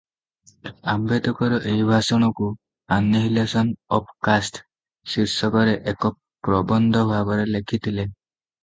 "ଆମ୍ବେଦକର ଏହି ଭାଷଣକୁ "annihilation of caste" ଶୀର୍ଷକରେ ଏକ ପ୍ରବନ୍ଧ ଭାବରେ ଲେଖିଥିଲେ ।"